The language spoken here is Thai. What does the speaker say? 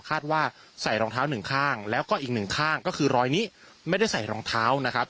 ว่าใส่รองเท้าหนึ่งข้างแล้วก็อีกหนึ่งข้างก็คือรอยนี้ไม่ได้ใส่รองเท้านะครับ